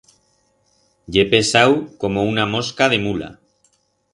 Ye pesau como una mosca de mula.